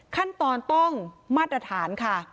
ขั้นตอนต้องมาตรฐานค่ะ